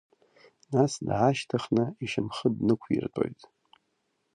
Нас даашьҭыхны ишьамхы днықәиртәоит.